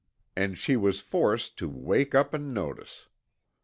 And she was forced to "wake up and take notice."